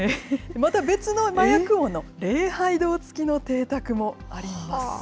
また別の麻薬王の礼拝堂付きの邸宅もあります。